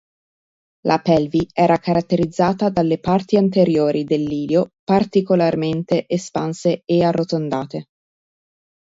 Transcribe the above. La pelvi era caratterizzata dalle parti anteriori dell'ilio particolarmente espanse e arrotondate.